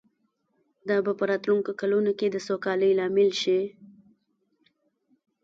دا به په راتلونکو کلونو کې د سوکالۍ لامل شي